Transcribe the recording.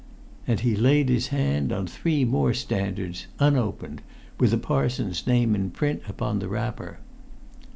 And he laid his hand on three more Standards, unopened, with the parson's name in print upon the wrapper.